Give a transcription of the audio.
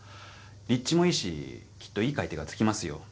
立地もいいしきっといい買い手がつきますよ。